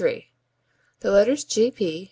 The letters G.P.